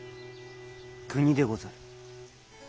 国でござる。